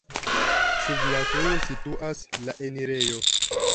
Sub la turo situas la enirejo.